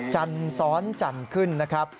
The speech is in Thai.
จันทร์ซ้อนจันทร์ขึ้นนะครับ